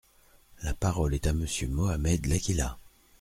La parole est à Monsieur Mohamed Laqhila.